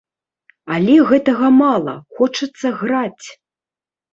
Але гэтага мала, хочацца граць!